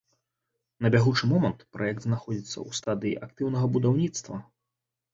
На бягучы момант праект знаходзіцца ў стадыі актыўнага будаўніцтва.